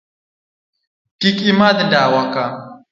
Kik imadh ndawa ka